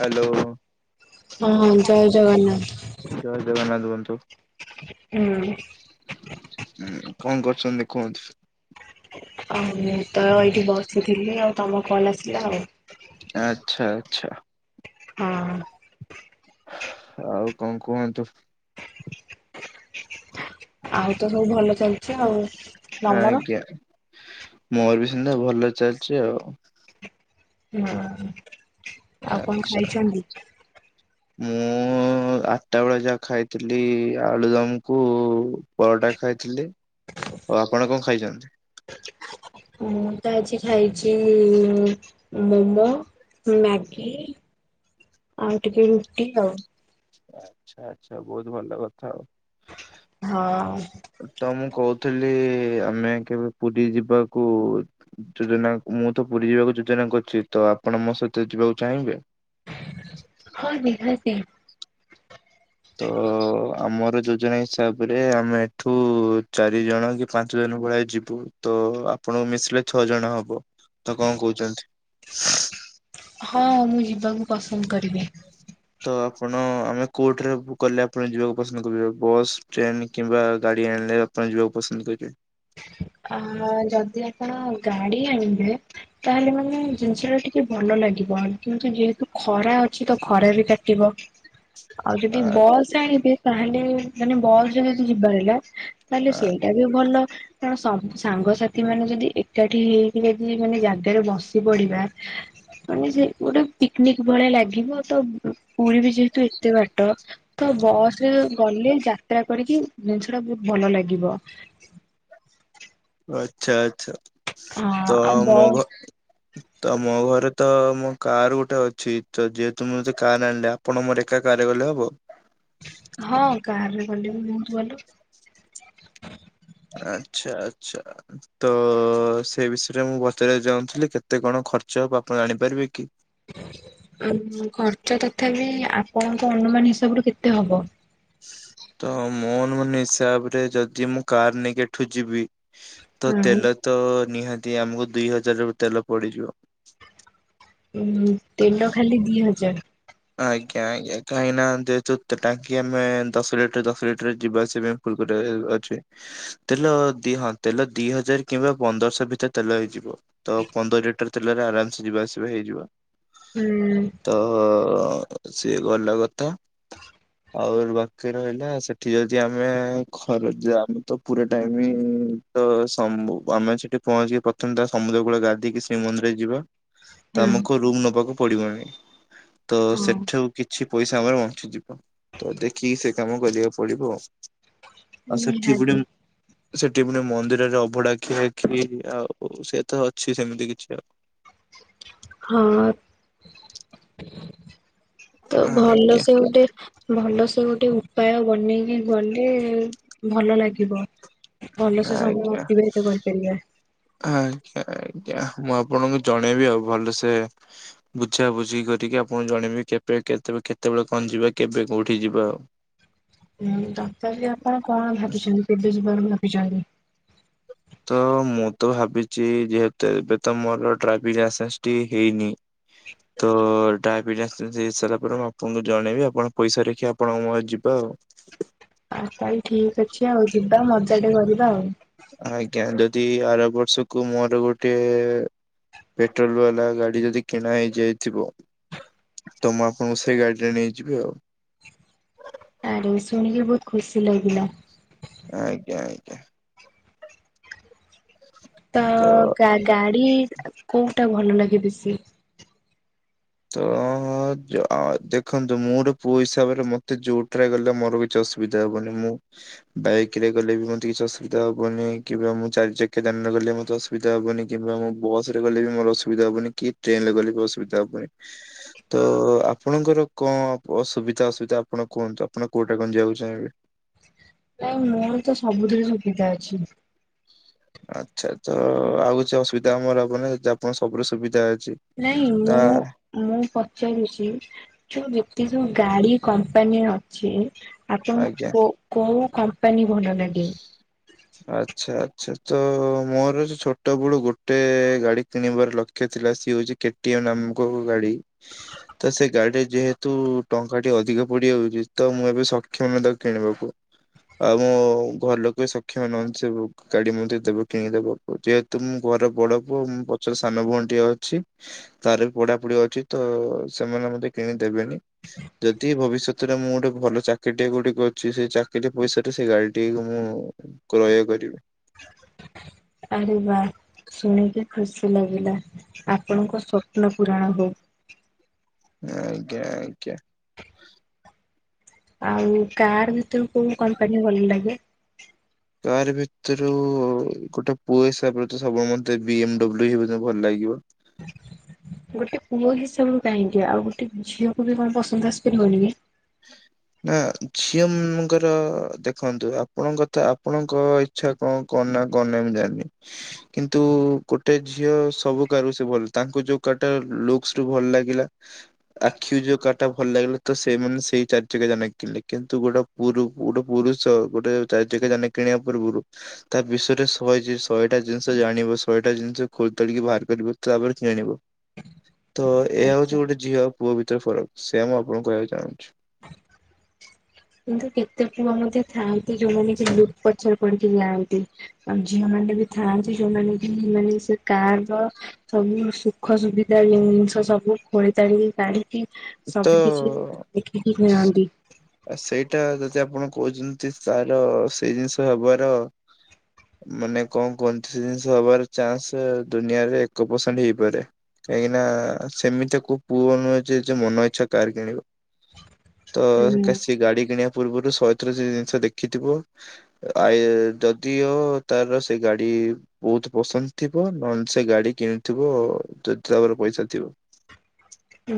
Hello. ହଁ ଜୟ ଜଗନ୍ନାଥ। ଜୟ ଜଗନ୍ନାଥ ବନ୍ଧୁ। ହୁଁ। ହୁଁ କଣ କରୁଛନ୍ତି କୁହନ୍ତୁ? ଆଉ ମୁଁ ତ ଏଇଠି ବସିଥିଲି ଆଉ ତମ କଲ୍ ଆସିଲା ଆଉ। ଆଛା ଆଛା। ହଁ। ଆଉ କଣ କୁହନ୍ତୁ? ଆଉ ତ ସବୁ ଭଲ ଚାଲିଛି ଆଉ। ତମର? ଆଜ୍ଞା, ମୋର ବି ସେମିତିଆ ଭଲ ଚାଲିଛି ଆଉ। ହଁ ଆଉ କଣ ଆଚ୍ଛା। ଖାଇଛନ୍ତି? ମୁଁ ମୁଁ ଆଟା ବେଳେ ଯାହା ଖାଇଥିଲି ଆଳୁଦମ କୁ ପରଟା ଖାଇଥିଲି। ଆଉ ଆପଣ କଣ ଖାଇଛନ୍ତି? ମୁଁ ତ ଆଜି ଖାଇଛି ମୋମୋ, ମ୍ୟାଗି। ଆଉ ଟିକେ ରୁଟି ଆଉ। ଆଚ୍ଛା ଆଚ୍ଛା ବହୁତ ଭଲ କଥା ଆଉ। ହଁ। ତ ମୁଁ କହୁଥିଲି ଆମେ କେବେ ପୁରୀ ଯିବାକୁ ଯୋଜନା ମୁଁ ତ ପୁରୀ ଯିବାକୁ ଯୋଜନା କରୁଛି, ତ ଆପଣ ମୋ ସହିତ ଯିବାକୁ ଚାହିଁବେ? ହଁ ନିହାତି। ତ ଆମର ଯୋଜନା ହିସାବରେ ଆମେ ଏଠୁ ଚାରି ଜଣ କି ପାଞ୍ଚ ଜଣ ଭଳିଆ ଯିବୁ। ତ ଆପଣଙ୍କୁ ମିଶିଲେ ଛଅ ଜଣ ହବ, ତ କଣ କହୁଛନ୍ତି? ହଁ ମୁଁ ଯିବାକୁ ପସନ୍ଦ କରିବି। ତ ଆପଣ ଆମେ କଉଠିରେ ବୁକ୍ କଲେ ଆପଣ ଯିବାକୁ ପସନ୍ଦ କରିବେ ବସ୍, ଟ୍ରେନ କିମ୍ବା ଗାଡି ଆଣିଲେ ଯିବାକୁ ପସନ୍ଦ କରିବେ? ଆ ଯଦି ଆପଣ ଗାଡି ଆଣିବେ ତାହେଲେ ମାନେ ଜିନିଷଟା ଟିକେ ଭଲ ଲାଗିବ, କିନ୍ତୁ ଯେହେତୁ ଖରା ଅଛି ତ ଖରା ବି କାଟିବ। ଆଉ ଆ ଯଦି ବସ ଆଣିବେ, ତାହେଲେ ମାନେ ବସ ରେ ଯଦି ଯିବାର ହେଲା। ତାହେଲେ ଆ ସେଇଟା ବି ଭଲ, କାରଣ ସ ସାଙ୍ଗସାଥି ମାନେ ଯଦି ଏକାଠି ହେଇକି ଯଦି ମାନେ ଜାଗାରେ ବସି ପଡିବା ମାନେ ସେ ଗୋଟେ ପିକନିକ ଭଳିଆ ଲାଗିବ ତ ପୁରୀ ବି ଯେହେତୁ ଏତେ ବାଟ ତ ବସ ରେ ଗଲେ ଯାତ୍ରା କରିକି ଜିନିଷ ଟା ବହୁତ ଭଲ ଲାଗିବ। ଆଛା ଆଛା ହଁ ତ ଆଉ ବସ୍ ମଗ ତ ମୋ ଘରେ ତ ମୋ କାର୍ ଗୋଟେ ଅଛି, ତ ଯେହେତୁ ମୁଁ ତ କାର୍ ଆଣିଲି ଆପଣ ମୋର ଏକା କାର ରେ ଗଲେ ହବ? ହଁ କାରରେ ଗଲେ ବି ବହୁତ ଭଲ। ଆଛା ଆଛା। ତ ସେ ବିଷୟରେ ମୁଁ ପଚେଇବାକୁ ଚାହୁଁଥିଲି କେତେ କଣ ଖର୍ଚ୍ଚ ହେବ ଆପଣ ଜାଣିପାରିବେ କି ଖର୍ଚ୍ଚ ତଥାପି ଆପଣଙ୍କ ଅନୁମାନ ହିସାବରୁ କେତେ ହବ ତ ମୋ ମୋନ ହିସାବରେ ଯଦି ମୁଁ କାର ନେଇକି ଏଠୁ ଯିବି ତ ହଁ ତେଲ ତ ନିହାତି ଆମକୁ ଦିଇ ହଜାର ର ତେଲ ପଡିଯିବ ଉଁ ତେଲ ଖାଲି ଦି ହଜାର ଆଜ୍ଞା ଆଜ୍ଞା କାହିଁ ନାନ୍ତି ତତ ଟାଙ୍କି ଆମେ ଦଶ ଲିଟର ଦଶ ଲିଟର ଯିବା ଆସିବା କୁଲକଟ ଅଛି ତେଲ ଦି ହଁ ତେଲ ଦି ହଜାର କିମ୍ବା ପନ୍ଦରଶହ ଭିତରେ ତେଲ ହେଇଯିବ ତ ପନ୍ଦର ଲିଟର ତେଲରେ ଆରାମ ସେ ଯିବା ଆସିବା ହେଇଯିବା ହୁଁ ତ ହ ସିଏ ଗଲା କଥା ଆଉ ବାକି ରହିଲା ସେଠି ଯଦି ଆମେ ଖର ଆମେ ତ ପୁରା ଟାଇମ ତ ଆମେ ସେଠି ପହଞ୍ଚିକି ପ୍ରଥମେ ତା ସମୁଦ୍ର କୂଳ ଗାଧେଇକି ଶ୍ରୀମନ୍ଦିର ଯିବା ତ ହୁଁ ଆମକୁ ରୁମ ନବାକୁ ପଡିବନି ତ ହଁ ସେଠୁ କିଛି ପଇସା ଆମର ବଞ୍ଚିଯିବ ତ ଦେଖିକି ସେ କାମ କରିବାକୁ ପଡିବ ଆଉ ଆଉ ନିହାତି ସଠିପଡ଼ମ୍ ସେଠି ପୁଣି ମନ୍ଦିରରେ ଅଭଡା ଖିଆଖି ଆଉ ସେ ତ ଅଛି ସେମିତି କିଛି ଆଉ ହଁ ତ ଭଲ ଆଜ୍ଞା ସେ ଗୋଟେ ଭଲ ସେ ଗୋଟେ ଉପାୟ ବନେଇକି ଗଲେ ଭଲ ଲାଗିବ ଭଲ ସେ ସମୟ ଅତିବାହିତ କରିପାରିବା ହ ଆ୍ଞା ଆଜ୍ଞା ମୁଁ ଆପଣଙ୍କୁ ଜଣେଇବି ଆଉ ଭଲସେ ବୁଝା ବୁଝି କରିକି ଆପଣ ଜଣେଇେ କେବେ କେତେବେ କେତେବେଳେ କଣ ଯିବା କେବେ କୋଉଠି ଯିବା ଆଉ [unintelligible] ହୁଁ ତଥାପି ଆପଣ କଣ ଭାବିଛନ୍ତି କେବେ ଯାରୁ ଭାବିଛନ୍ତି ତ ମୁଁ ତ ଭାବିଛି ଯେହେତୁ ଏବେ ତ ମୋର ଡ୍ରାଇଭିଂ ଲାଇସେନ୍ସ ଟି ହେଇନି ତ ଡାଇବେଟିସ ହେଇ ସାରିଲା ପରେ ମୁଁ ଆପଣଙ୍କୁ ଜଣେଇବି ଆପଣ ପଇସା ଦେଖି ଆପଣଙ୍କ ଯିବା ଆଉ [unintelligible] ଆଉ ତାହେଲେ ଠିକ ଅଛି ଆଉ ଯିବା ମଜାଟେ କରିବା ଆଉ ଆଜ୍ଞା ଯଦି ଆର ବର୍ଷକୁ ମୋର ଗୋଟିଏ ପେଟ୍ରୋଲ ବାଲା ଗାଡି ଯଦି କିଣା ହେଇଯାଇଥିବ ତ ମୁଁ ଆପଣଙ୍କୁ ସେଇ ଗାଡିରେ ନେଇଯିବି ଆଉ ଆରେ ଶୁଣିକି ବହୁତ ଖୁସି ଲାଗିଲା ଆଜ୍ଞା ଆଜ୍ଞା ତ ଗାଡି କୋଉଟା ଭଲ ଲାଗେ ବେସି ତ ହଁ ଦେଖନ୍ତୁ ମୁୋର ପୁଅ ହିସାବରେ ମତେ ଯୋଉଟରେ ଗଲେ ମୋର କିଛି ଅସୁବିଧା ହବନି ମୁଁ ବାଇକ ରେ ଗଲେ ବି ମୋତେ କିଛି ଅସୁବିଧା ହବନି କିମ୍ବା ମୁଁ ଚାରି ଚକିଆ ଯାନରେଗଲେ ମତ ଅିଧ ଅସବିଧା ହବନି କିମ୍ବା ମୁଁ ବସ ରେ ଗଲେ ବି ମୋର ଅସୁବିଧା ହବନି କି ଟ୍ରେନ ରେ ଗଲେ ବି ଅସୁବିଧା ହବନି ତ ଆପଣଙ୍କର କଣ ଅସୁବିଧା ଅସୁବିଧା ଆପଣ କୁହନ୍ତୁ ଆପଣ କୋଉଟା କଣ ଯିବାକୁ ଚାହିଁବେ ନ ମୋର ତ ସବୁଥିରେ ସୁବିଧା ଅଛି ଆଚ୍ଛା ତ ଆଉ କିଛି ଅସୁବିଧା ଆମର ଆପ ଆପଣ ସବୁରେ ସୁବିଧା ଅଛି ନାଇଁ ତା ମୁଁ ମୁଁ ପଚାରଛି ଯଉ ଯେତେ ଯୋଉ ଗାଡି କମ୍ପାନୀ ଅଛି ଆପଣ ଆଜ୍ଞା। କୋଉ ହଉ କମ୍ପାନୀ ଭଲ ଲାଗେ ଆଚ୍ଛା ଆଚ୍ଛା ତ ମୋର ଯୋଉ ଛୋଟ ବେଳୁ ଗୋଟେ ଗାଡି କିଣିବାର ଲକ୍ଷ୍ୟ ଥିଲା ସିଏ ହଉଛି କେ ଟି ଏମ ନାମକ ଗାଡ଼ି ତ ସେ ଗାଡିରେ ଯେହେତୁ ଟଙ୍କାଟି ଅଧିକା ପଡିଯାଉଛି ତ ମୁଁ ଏବେ ସକ୍ଷମ ତାକୁ କିଣିବାକୁ। ଆଉ ମୁଁ ଘର ଲୋକେ ସକ୍ଷମ ନୁହନ୍ତି ସେ ଗାଡି ମେ ଦେବ କିଣିଦବ ଯେହେତୁ ମୁଁ ଘର ବଡ ପୁଅ ମୁଁ ସାନ ଭଉଣୀ ଟିଏ ଅଛି। ତାର ବି ପଢାପଢି ଅଛି ତ ସେମାନେ ମଧ୍ୟେ କିଣିଦେବେନି। ଯଦି ଭବିଷ୍ୟତରେ ମୁଁ ଗୋଟେ ଭଲ ଚାକିରିଟିଏ ଗୁଟିକ ଅଛି ସେଇ ଚାକିରିରେ ପଇସା ସେଇ ଗାଡି ଟିକ ମୁଁ କ୍ରୟ କରିବି। ଆରେ ବା ଶୁଣିକି ଖୁସି ଲାଗିଲା ଆପଣଙ୍କ ସ୍ୱପ୍ନ ପୁରଣ ହଉ। ଆଜ୍ଞା ଆଜ୍ଞା। ଆଉ କାର୍ ଭିତରୁ କୋଉ କମ୍ପାନୀ ଭଲ ଲାଗେ? କାର ଭିତରୁ ଗୋଟେ ପୁଅ ହିସାବରେ ସବୁଳେ ମତେ ବି ଏମଡବ୍ଲୁ ହେ ଭଲ ଲାଗିବ। ଗୋଟେ ପୁଅ ହିସାବରୁ କାହିଁକି ଆଉ ଗୋଟେ ଝିଅକୁ ବି କଣ ପସନ୍ଦ ଆସିପାରିବନି? ନା ଝିଅ ମାନଙ୍କର ଦେଖନ୍ତୁ ଆପଣଙ୍କଥା ଆପଣଙ୍କ ଛା କଣ କରନା କରନାମ ମୁଁ ଜାଣିନି। କିନ୍ତୁ ଗୋଟେ ଝିଅ ସବୁ କାୁ ସେ ଭଲ ତାଙ୍କୁ ଯୋଉ କାଟା ଲୁକ୍ସ ରୁ ଭଲ ଲାଗିଲା ଆଖି ଯୋଉ କାଟା ଭଲ ଲାଗିଲା ତ ସେମାନେ ସେଇ ଚାରି ଚକି ଯାନା କିଣିଲେ କିନ୍ତୁ ଗୋଟେ ପ ଗୋଟେ ପୁରୁଷ ଗୋଟେ ଚାରି ଚକି ଯାନା କିଣିବା ପୂର୍ବରୁ ତା ବିଷୟରେ ଶହେ ଶହେଟା ଜିନିଷ ଜାଣିବ ଶହେଟା ଜିନିଷ ଖୋଲ ତଳିକ ବାହାର କରିବ ତାପ କି ଆଣିବ। ତ ଏହା ଆଚ୍ଛା ହଉଛି ଗୋଟେ ଝିଅ ଆଉ ପୁଅ ଭିତରେ ଫରକ ସେୟା ମୁଁ ଆପଣଙ୍କୁ କହିବାକୁ ଚାହୁଁଛି। କିନ୍ତୁ କେତେ ପୁଅ ମଧ୍ୟ ଥାଆନ୍ତି ଯୋଉମାନେ କି ଦୁର୍ପଛ କରିକି ଯାଆନ୍ତି। ଆମ ଝିଅ ମାନେ ବି ଥାଆନ୍ତି ଯୋଉମାନେ ବି ସେମାନେ ସେ କାର ର ସବୁ ସୁଖ ସୁବିଧା ଜିନିଷ ସବୁ ଖୋଳି ତାଡିକି ଗାଣି ତ ସବୁ କିଛି ଦେଖିକି କିଣନ୍ତି। ଆ ସେଇଟା ଯଦି ଆପଣ କହୁଛନ୍ତି ତାର ସେଇ ଜିନିଷ ହବାର ମାନେ କଣ କୁନ୍ତି ଜିନିଷ ହବାର ଚାନ୍ସ ଦୁନିଆରେ ଏକ ପରସେଣ୍ଟ ହେଇପାରେ କାହିଁକି ନା ସେମିତି କ ପୁଅ ନୁହେଁ ଯେ ମନ ଇଚ୍ଛା କାର କିଣିବ ତ ହୁଁ ସେ ଗାଡି କିଣିବା ପୂର୍ବରୁ ସ ପ୍ର ସେ ଜିନିଷ ଦେଖିଥିବ ଆ ଯଦିଓ ତାର ସେ ଗାଡି ବହୁତ ପସନ୍ଦ ଥିବ ନହେଲେ ସେ ଗାଡି କିଣିଥିବ ଯଦି ତାାବରେ ପଇସା ଥିବ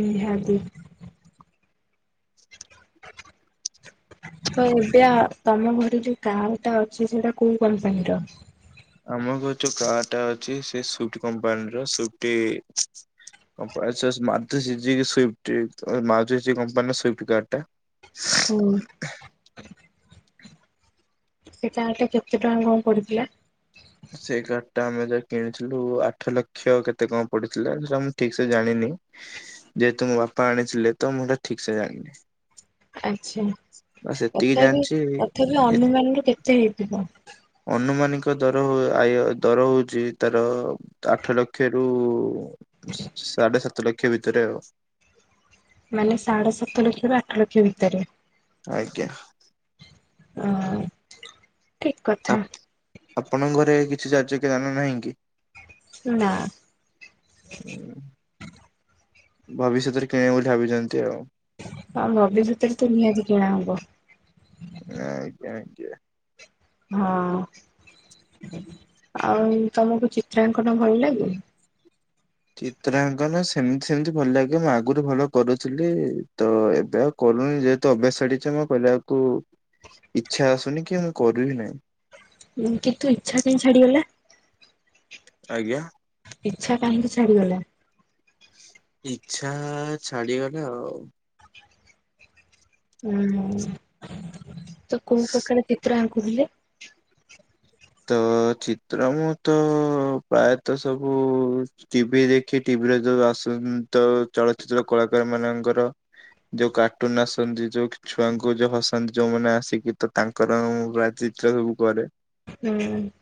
ନିହାତି। ତ ଏବେ ତମ ଘରେ ଯୋଉ କାର ଟା ଅଛି ସେଟା କୋଉ କମ୍ପାନୀର? ଆମ ଘର ଯୋଉ କାର୍ ଟା ଅଛି ସେ ସୁଫ୍ଟି କମ୍ପାନୀର ସୁଫ୍ଟି। [unintelligible] କମ୍ପାନୀର ସୁିଫ୍ଟ କାର୍ଡ ଟା ହୁଁ। ସେ କାରଟା କେତେ ଟଙ୍କା କଣ ପଡିଥିଲା? ସେଇ କାର୍ଡ ଟା ଆମେ ଯ କିଣିଥିଲୁ ଆଠ ଲକ୍ଷ କେତେ କଣ ପଡିଥିଲା ସେ ସେଟା ମୁଁ ଠିକ ସେ ଜାଣିନି। ଯେହେତୁ ମୋ ବାପା ଆଣିଥିଲେ ତ ମୁଁଟା ଠିକ ସେ ଜାଣିନି। ଆଛା ବାସ୍ ଏତିକି ତଥାପି ଜାଣିଛି ତଥାପି ଏ ଅନୁମାନ ରୁ କେତେ ହେଇଥିବ? ଅନୁମାନିକ ଦର ଆ ଦର ହଉଛି ତାର ଆଠ ଲକ୍ଷ ରୁ ସାଢେ ସାତ ଲକ୍ଷ ଭିତରେ ଆ ମାନେ ସାଢେ ସାତ ଲକ୍ଷରୁ ଆଠ ଲକ୍ଷ ଭିତରେ? ଆଜ୍ଞା। ହ ଠିକ କଥା। ଆପଣଙ୍କ ଘରେ କିଛି ଚାର୍ଯ୍ୟ କି ଦାନ ନାହିଁ କି। ନା ଭବିଷ୍ୟତରେ କିଣିବ ବୋଲି ଭାବିଛନ୍ତି ଆଉ ହଁ ଭବିଷ୍ୟତରେ ତ ନିହାତି କିଣା ହବ ଆଜ୍ଞା ଆଜ୍ଞା ହଁ ଆଉ ତମକୁ ଚିତ୍ରାଙ୍କନ ଭଲ ଲାଗେ? ଚିତ୍ରାଙ୍କନ ସେମିତି ସେମିତି ଭଲ ଲାଗେ ମୁଁ ଆଗରୁ ଭଲ କରୁଥିଲି ତ ଏବେ ଆଉ କରୁନି ଯେହେତୁ ଅଭ୍ୟାସ ଛାଡିଛି ମୁଁ କରିବାକୁ ଇଚ୍ଛା ଆସୁନି କି ମୁଁ କରିବି ନାହିଁ। କିନ୍ତୁ ଇଛା କାଇଁ ଛାଡିଗଲା। ଆଜ୍ଞା। ଇଛା କାହିଁକି ଛାଡ଼ିଗଲା। ଇଛା ଛାଡିଗଲା ଆଉ। ହୁଁ ତ କୋଉ ପ୍ରକାର ଚିତ୍ର ଆଙ୍କୁୁଥିଲେ? ତ ଚିତ୍ର ମୁଁ ତ ପ୍ରାୟତଃ ସବୁ ଟିଭି ଦେଖି ଟିଭିରେ ଯୋଉ ଆସୁଜ ତ ଚଳଚିତ୍ର କଳାକାର ମାନଙ୍କର। ଯୋଉ କାର୍ଟୁନ ଆସନ୍ତି ଯୋଉ ଛୁଆଙ୍କୁ ଯୋଉ ହସାନ୍ତି ଯୋଉମାନେ ଆସିକି ତ ତାଙ୍କ ର ମୁଁ ପ୍ରାୟ ଚିତ୍ର ସବୁ କରେ। ହୁଁ।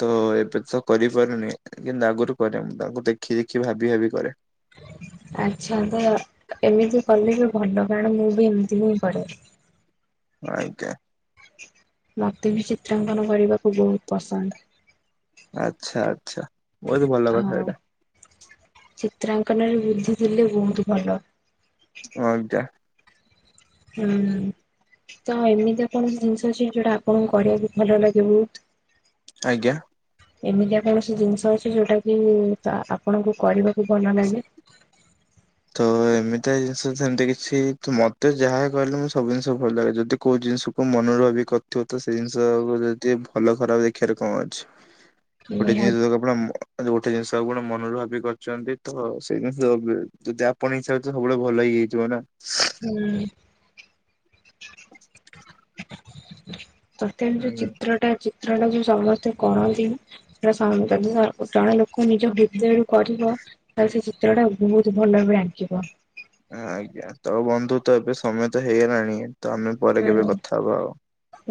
ତ ଏବେ ତ କରିପାରୁନି କିନ୍ତୁ ଆଗରୁ କରେ ମୁଁ ତାଙ୍କୁ ଦେଖି ଦେଖି ଭାବି ଭାବି କରେ। ଆଚ୍ଛା ତ ଏମିତି କଲେ ବି ଭଲ କାରଣ ମୁଁ ବି ଏମିତି ହିଁ କରେ।। ଆଜ୍ଞା। ମତେ ବି ଚିତ୍ରାଙ୍କନ କରିବାକୁ ବହୁତ ପସନ୍ଦ। ଆଛା ଆଛା ବହୁତ ଭଲ କଥା ଆଉ ଏଇଟା। ଚିତ୍ରାଙ୍କନରେ ବୁଦ୍ଧି ଥିଲେ ବହୁତ ଭଲ। ହଁ ଆଜ୍ଞା। ହୁଁ। ତ ଏମିତି ଆଉ କଣ ଜିନିଷ ଅଛି ଯୋଉଟା ଆପଣଙ୍କୁ କରିବାକୁ ଭଲ ଲାଗେ ବହୁତ। ଆଜ୍ଞା। ଏମିତିଆ କୌଣସି ଜିନିଷ ଅଛି ଯୋଉଟା କି ଆପଣଙ୍କୁ କରିବାକୁ ଭଲ ଲାଗେ। ତ ଏ ଏମିତିଆ ଜିନିଷ ସେମିତି କିଛି ମତେ ଯାହା କହିଲେ ମୁଁ ସବୁ ଜିନିଷ ଭଲ ଲାଗେ ଯଦି କୋଉ ଜିନିଷକୁ ମନରୁ ଭାବ ଥିବ ତ ସେ ଜିନିଷକୁ ଯଦି ଭଲ ଖରାପ ଦେଖିବାରେ କଣ ଅଛି। ଗୋଟେ ନିହାତି ଜିନିଷ ଆପଣ ଗୋଟେ ଜିନିଷ ମନରୁ ଭାବି କରିଛନ୍ତି ତ ସେଇ ଜିନିଷ ଯଦି ଆପଣ ହିସାବରେ ତ ସବୁବେଳେ ଭଲ ହେଇଥିବ ନା। ହୁଁ। [inaudible] [inaudible] ରେ ହୁଁ ଚିତ୍ର ଟ ଚିତ୍ର ଟା ଯୋଉ ସମସ୍ତେ କରନ୍ତି ନା ସେଇଟା ଜଣେ ଲୋକ ନିଜ ହୃଦୟରୁୁ କରିବ ତାହେଲେ ସେ ଚିତ୍ର ଟା ବହୁତ ଭଲରେ ଆଙ୍କିବ। ଆଜ୍ଞା ତ ବନ୍ଧୁ ତ ଏବେ ସମୟ ତ ହେଇଗଲାଣି ତ ଆମେ ପରେ ହୁଁ କେବେ କଥା ହବା ଆଉ।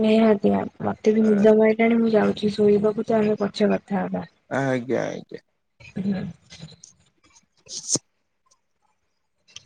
ନିହାତି ମତେ ବି ଆ- ନିଦ ମାଇଲାଣି ମୁଁ ଯାଉଚି ଶୋଇବାକୁ ତ ଆମେ ପଛେ କଥା ହବା। ହ ଆଜ୍ଞା, ଆଜ୍ଞା। [inaudible] [inaudible]